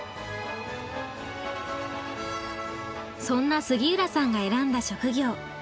そんな杉浦さんが選んだ職業